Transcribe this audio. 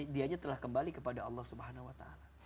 dianya telah kembali kepada allah swt